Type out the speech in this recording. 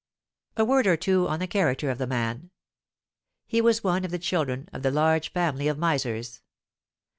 A word or two on the character of the man. He was one of the children of the large family of misers.